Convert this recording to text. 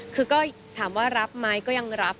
คือก็ถามว่ารับไหมก็ยังรับ